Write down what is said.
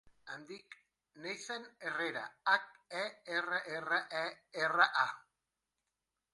Em dic Neizan Herrera: hac, e, erra, erra, e, erra, a.